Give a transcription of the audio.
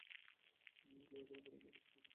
চিথথিরাই পতাকা আজ উত্তোলন করা হবে।